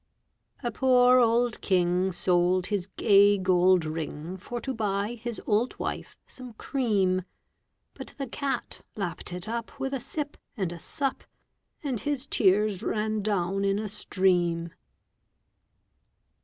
A poor old King Sold his gay gold ring For to buy his old wife some cream; But the cat lapped it up With a sip and a sup, And his tears ran down in a stream.